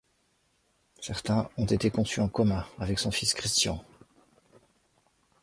Certains ont été conçus en commun avec son fils Christian.